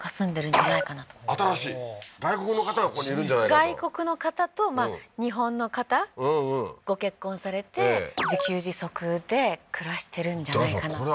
外国人の方と日本の方、ご結婚されて自給自足で暮らしてるんじゃないかなと。